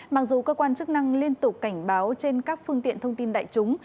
mặc dù cơ quan chức năng liên tục cảnh báo trên các phương tiện thông tin đại chúng